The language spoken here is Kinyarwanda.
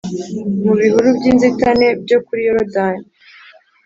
mu bihuru by inzitane byo kuri Yorodani